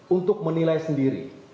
untuk menilai sendiri